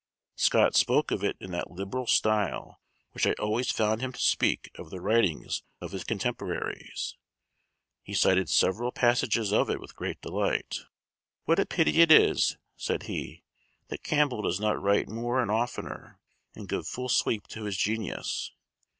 Scott spoke of it in that liberal style in which I always found him to speak of the writings of his contemporaries. He cited several passages of it with great delight. "What a pity it is," said he, "that Campbell does not write more and oftener, and give full sweep to his genius.